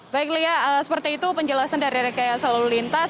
baik lia seperti itu penjelasan dari rekayasa lalu lintas